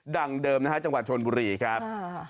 เดิมนะฮะจังหวัดชนบุรีครับ